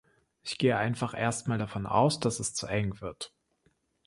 Ich gehe einfach erstmal davon aus, dass es zu eng wird.